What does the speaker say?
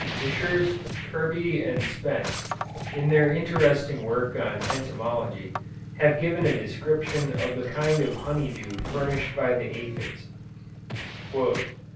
Messrs. Kirby and Spence, in their interesting work on Entomology, have given a description of the kind of honey dew furnished by the aphides.